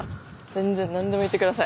全然何でも言って下さい。